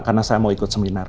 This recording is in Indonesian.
karena saya mau ikut seminar